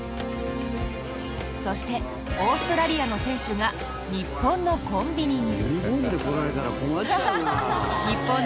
そして、オーストラリアの選手が日本のコンビニに。